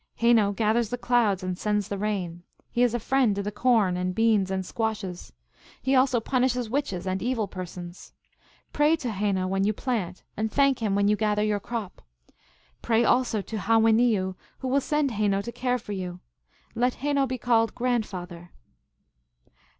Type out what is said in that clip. Heno gathers the clouds and sends the rain. He is a friend to the corn and beans and squashes. He also punishes witches and evil persons. Pray to Heno when you plant, and 204 THE ALGONQUIN LEGENDS. tliank him when you gather your crop. Pray also to Ha wen ni yu, who will send Heno to care for you. Let Heno be called Grandfather.